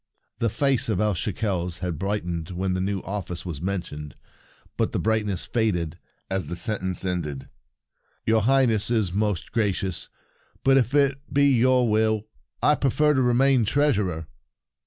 The face of El Shekels had brightened when the new office was mentioned, but the bright ness faded as the sentence ended. " Your Highness is most gra cious ; but, if it be your will, I prefer to remain Treasurer."